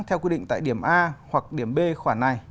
theo quy định tại điểm a hoặc điểm b khoản này